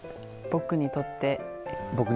僕にとって。